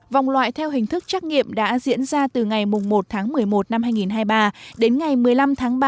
vòng loại theo hình thức trắc nghiệm đã diễn ra từ ngày một tháng một mươi một năm hai nghìn hai mươi ba đến ngày một mươi năm tháng ba